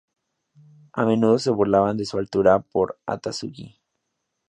A menudo se burlaba de su altura por Akatsuki.